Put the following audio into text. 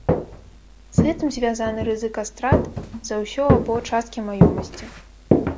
З гэтым звязаны рызыка страт за ўсё або часткі маёмасці.